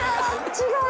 違う！？